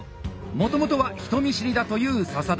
もともとは人見知りだという笹田。